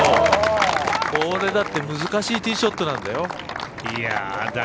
これ、だって難しいティーショットなんだよ。